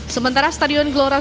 sementara stadion gelora bung tomo